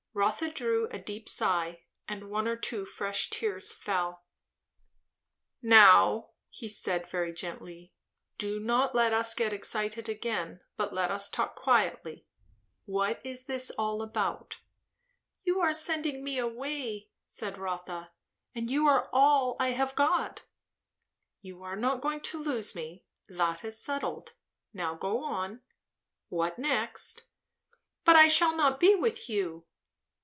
'" Rotha drew a deep sigh, and one or two fresh tears fell. "Now," said he very gently, "do not let us get excited again, but let us talk quietly. What is all this about?" "You are sending me away," said Rotha; "and you are all I have got." "You are not going to lose me. That is settled. Now go on. What next?" "But I shall not be with you?"